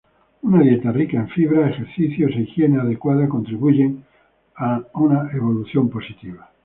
Una dieta rica en fibra, ejercicios e higiene adecuada contribuyen a una evolución positiva.